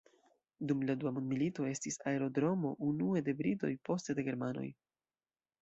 Dum la Dua mondmilito estis aerodromo unue de britoj, poste de germanoj.